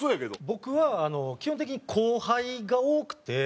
僕は基本的に後輩が多くて。